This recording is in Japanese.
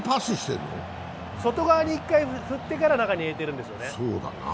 外側に一回振ってから中に入れてるんですよね。